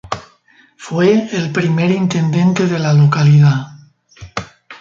Fue el primer intendente de la localidad.